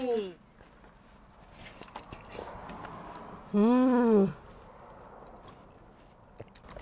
うん。